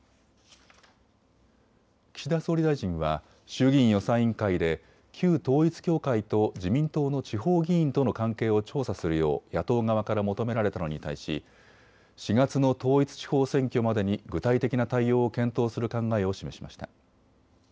岸田総理大臣は衆議院予算委員会で旧統一教会と自民党の地方議員との関係を調査するよう野党側から求められたのに対し４月の統一地方選挙までに具体的な対応を検討する考えを示しました。